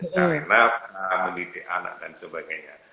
karena meneliti anak dan sebagainya